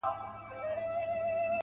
لکه د خپلې مينې «هو» چي چاته ژوند ورکوي